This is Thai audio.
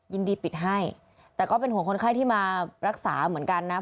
ยินดีปิดให้แต่ก็เป็นห่วงคนไข้ที่มารักษาเหมือนกันนะ